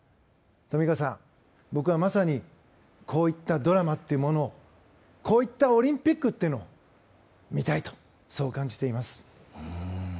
富川さん、僕はまさにこういったドラマっていうものをこういったオリンピックというのを見たいとそう感じています。